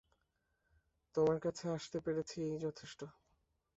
তোমার কাছে আসতে পেরেছি এই যথেষ্ট।